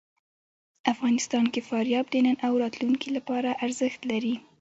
افغانستان کې فاریاب د نن او راتلونکي لپاره ارزښت لري.